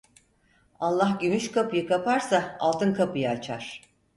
Allah gümüş kapıyı kaparsa altın kapıyı açar.